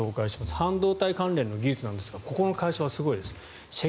半導体関連の技術ですがここの会社はすごいです。